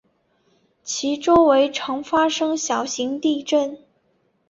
其周围常发生小型地震。